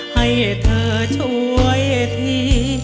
ให้เธอช่วยที